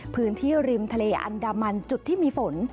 พื้นที่ริมทะเลอันดามันจุดที่มีฝน